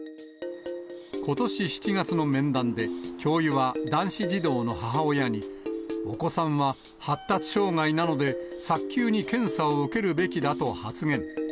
ことし７月の面談で、教諭は男子児童の母親に、お子さんは発達障害なので、早急に検査を受けるべきだと発言。